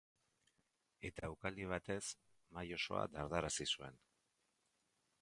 Eta ukaldi batez mahai osoa dardararazi zuen.